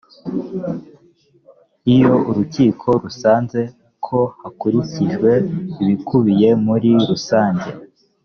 iyo urukiko rusanze ko hakurikijwe ibikubiye muri rusanjye